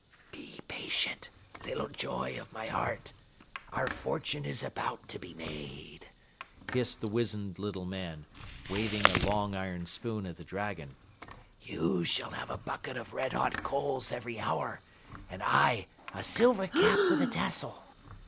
"Be patient, little joy of my heart! Our fortune is about to be made," hissed the wizened little man, waving a long iron spoon at the dragon. "You shall have a bucket of red hot coals every hour and I a silver cap with a tassel.